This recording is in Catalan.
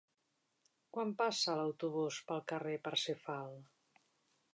Quan passa l'autobús pel carrer Parsifal?